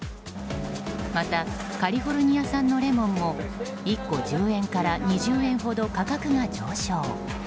またカリフォルニア産のレモンも１個１０円から２０円ほど価格が上昇。